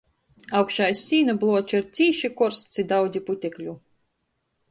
Augšā iz sīna bluoča ir cīši korsts i daudzi putekļu.